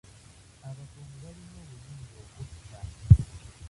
Abakuumi balina obuyinza okutta.